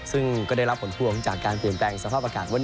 ซึ่งก็ได้รับผลพวงจากการเปลี่ยนแปลงสภาพอากาศว่า